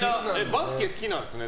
バスケ好きなんですね。